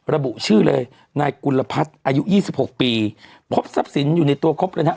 ระบุชื่อเลยนายกุลพัฒน์อายุยี่สิบหกปีพบทรัพย์สินอยู่ในตัวครบเลยนะฮะ